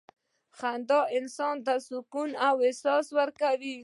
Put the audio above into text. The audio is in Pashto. • خندا انسان ته د سکون احساس ورکوي.